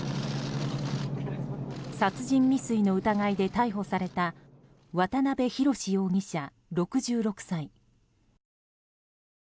殺人未遂の疑いで逮捕された渡邊宏容疑者、６６歳。